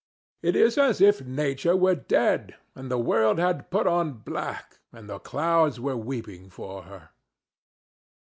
It is as if Nature were dead and the world had put on black and the clouds were weeping for her.